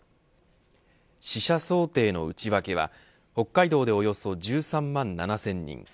死者想定の内訳は北海道でおよそ１３万７０００人